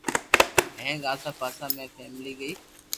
ھینگ آسا پاسا ۾ ڦیھلِي گئي